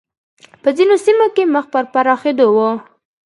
په ځینو سیمو کې مخ په پراخېدو و